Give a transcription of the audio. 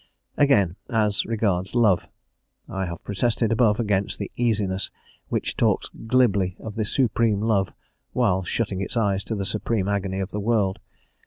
Again, as regards Love. I have protested above against the easiness which talks glibly of the Supreme Love while shutting its eyes to the supreme agony of the world.